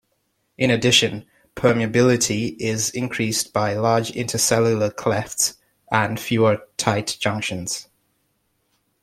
In addition, permeability is increased by large inter-cellular clefts and fewer tight junctions.